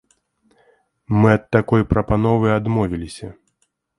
Мы ад такой прапановы адмовіліся.